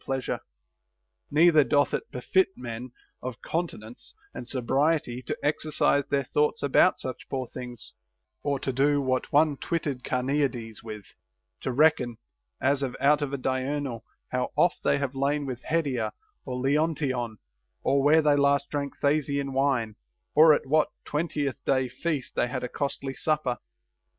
164 PLEASURE NOT ATTAINABLE Neither doth it befit men of continence and sobriety to ex ercise their thoughts about such poor things, or to do what one twitted Carneades with, to reckon, as out of a diurnal, how oft they have lain with Hedia or Leontion, or where they last drank Thasian wine, or at what twentieth day feast they had a costly supper.